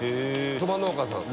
そば農家さん。